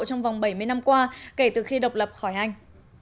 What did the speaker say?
trong vòng bảy mươi năm qua kể từ khi độc lập khỏi anh